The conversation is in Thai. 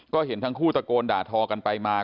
ก็เห็นทั้งคู่ตะโกนด่าทอกันไปมา